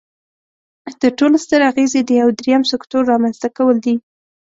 تر ټولو ستر اغیز یې د یو دریم سکتور رامینځ ته کول دي.